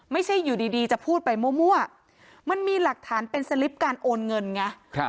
ไม่ใช่อยู่ดีจะพูดไปมั่วมันมีหลักฐานเป็นสลิปการโอนเงินไง